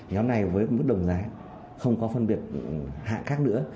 nhóm này với mức đồng giá không có phân biệt hạ khác nữa